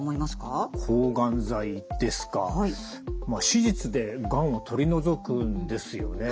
手術でがんを取り除くんですよね。